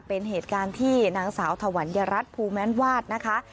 เป็นเหตุการณ์ที่นางสาวถวัญรัฐภูแม้นวาดนะคะ